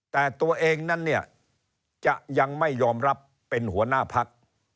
แต่ตัวเองนั้นเนี่ยจะยังไม่ยอมรับเป็นหัวหน้าพัก